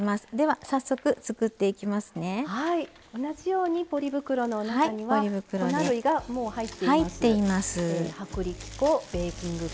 はい同じようにポリ袋の中には粉類がもう入っています。